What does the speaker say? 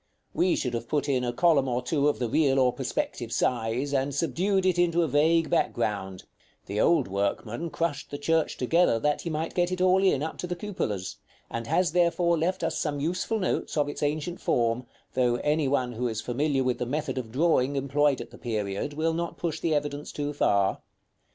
We should have put in a column or two of the real or perspective size, and subdued it into a vague background: the old workman crushed the church together that he might get it all in, up to the cupolas; and has, therefore, left us some useful notes of its ancient form, though any one who is familiar with the method of drawing employed at the period will not push the evidence too far.